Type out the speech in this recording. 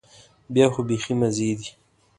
بیا خو بيخي مزې دي.